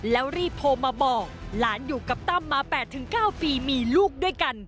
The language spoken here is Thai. แล้วรีบโทรมาบอกหลานอยู่กับตั้มมา๘๙ปีมีลูกด้วยกัน